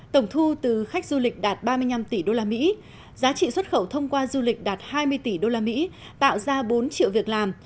tổng thu từ khách du lịch đạt ba mươi năm tỷ usd giá trị xuất khẩu thông qua du lịch đạt hai mươi tỷ usd tạo ra bốn triệu việc làm